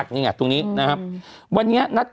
กรมป้องกันแล้วก็บรรเทาสาธารณภัยนะคะ